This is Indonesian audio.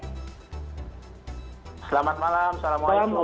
selamat malam assalamualaikum